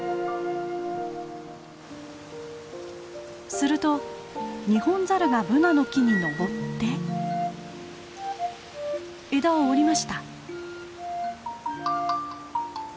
するとニホンザルがブナの木に登って枝を折りました！